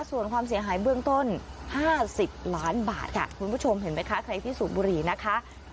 ส่วนความเสียหายเบื้องต้น๕๐ล้านบาทค่ะคุณผู้ชมเห็นไหมคะใครที่สูบบุหรี่นะคะ